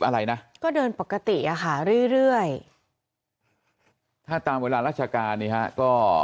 อะไรนะก็เดินปกติอะค่ะเรื่อยเรื่อยถ้าตามเวลาราชการนี่ฮะก็